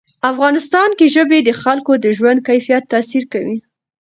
افغانستان کې ژبې د خلکو د ژوند کیفیت تاثیر کوي.